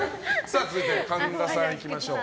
続いて、神田さんいきましょう。